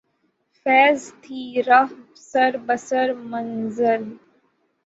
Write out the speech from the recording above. فیضؔ تھی راہ سر بسر منزل